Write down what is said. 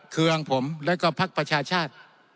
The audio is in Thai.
เครื่องผมแล้วก็พักประชาชาติ